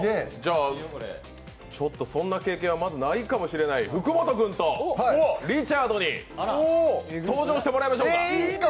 そんな経験はまずないかもしれない、福本君とリチャードに登場してもらいましょうか。